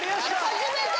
初めて！